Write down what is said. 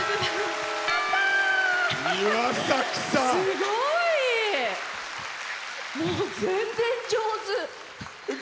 すごい！全然上手！